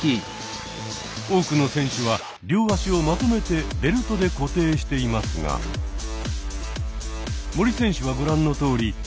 多くの選手は両足をまとめてベルトで固定していますが森選手はご覧のとおり。